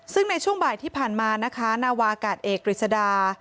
ซึ่งในช่วงบ่ายที่ผ่านมานะคะนาวากาศเอกกฤษดา